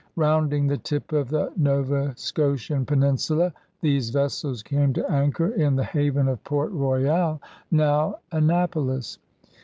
Rounding the tip of the Nova Scotian peninsula, these vessels came to anchor in the haven of Port Royal, now Annapolis.